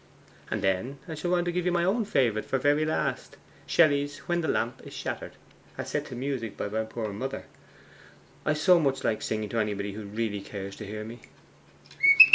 and then I shall want to give you my own favourite for the very last, Shelley's "When the lamp is shattered," as set to music by my poor mother. I so much like singing to anybody who REALLY cares to hear me.